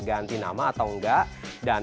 ganti nama atau enggak dan